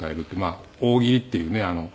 大喜利っていうね